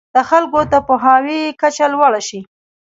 د خلکو د پوهاوي کچه لوړه شي.